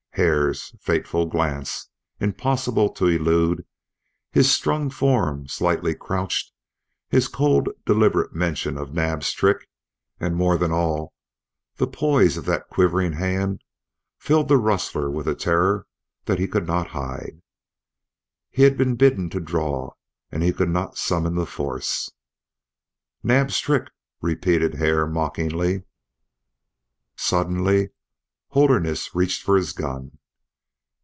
Hare's fateful glance, impossible to elude, his strung form slightly crouched, his cold deliberate mention of Naab's trick, and more than all the poise of that quivering hand, filled the rustler with a terror that he could not hide. He had been bidden to draw and he could not summon the force. "Naab's trick!" repeated Hare, mockingly. Suddenly Holderness reached for his gun.